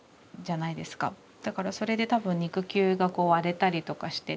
だからそれで多分肉球が割れたりとかして。